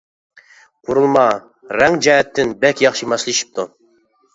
قۇرۇلما، رەڭ جەھەتتىن بەك ياخشى ماسلىشىپتۇ.